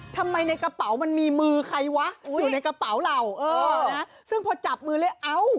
ในกระเป๋ามันมีมือใครวะอยู่ในกระเป๋าเราเออนะซึ่งพอจับมือเลยเอ้า